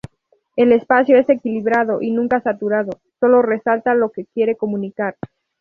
El espacio es equilibrado y nunca saturado; sólo resalta lo que quiere comunicar.